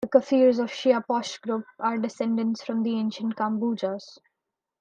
The Kafirs of Siah-Posh groups are descended from the ancient Kambojas.